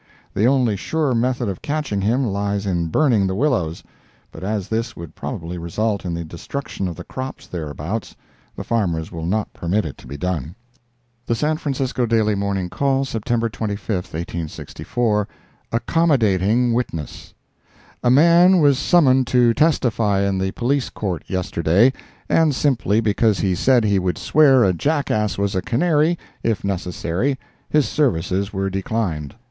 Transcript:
The only sure method of catching him lies in burning the willows; but as this would probably result in the destruction of the crops thereabouts, the farmers will not permit it to be done. The San Francisco Daily Morning Call, September 25, 1864 ACCOMMODATING WITNESS A man was summoned to testify in the Police Court, yesterday, and simply because he said he would swear a jackass was a canary, if necessary, his services were declined.